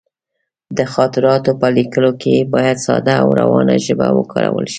د خاطراتو په لیکلو کې باید ساده او روانه ژبه وکارول شي.